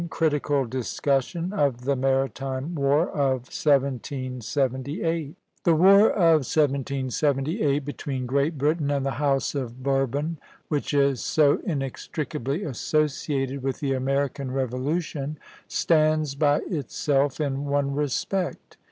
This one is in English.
CRITICAL DISCUSSION OF THE MARITIME WAR OF 1778. The war of 1778, between Great Britain and the House of Bourbon, which is so inextricably associated with the American Revolution, stands by itself in one respect.